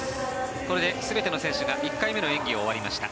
これで全ての選手が１回目の演技を終わりました。